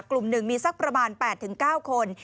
กลุ่มหนึ่งมีสักประมาณแปดถึงเก้าคน